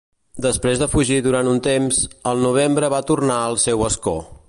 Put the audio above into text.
Després de fugir durant un temps, el novembre va tornar al seu escó.